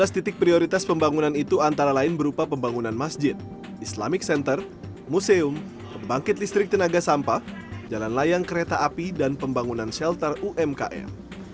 tiga belas titik prioritas pembangunan itu antara lain berupa pembangunan masjid islamic center museum pembangkit listrik tenaga sampah jalan layang kereta api dan pembangunan shelter umkm